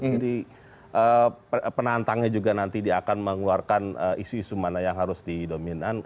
jadi penantangnya juga nanti dia akan mengeluarkan isu isu mana yang harus didominan